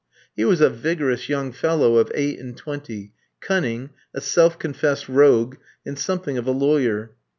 He was a vigorous young fellow of eight and twenty, cunning, a self confessed rogue, and something of a lawyer.